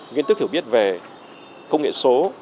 nghiên thức hiểu biết về công nghệ số